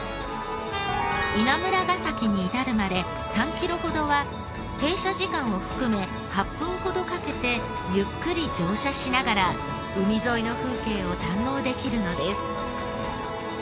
稲村ヶ崎に至るまで３キロほどは停車時間を含め８分ほどかけてゆっくり乗車しながら海沿いの風景を堪能できるのです。